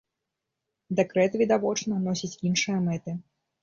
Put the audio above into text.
Дэкрэт, відавочна, носіць іншыя мэты.